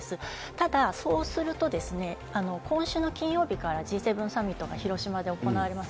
ただ、そうすると今週の金曜日からＧ７サミットが広島で行われます。